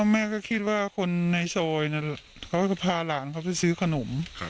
แม่ก็คิดว่าคนในซอยเขาจะพาหลานเขาไปซื้อขนม